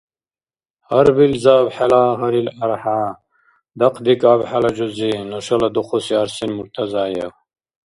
Гьарбилзаб хӀела гьарил архӀя, дахъдикӀаб хӀела жузи, нушала духуси Арсен Муртазаев!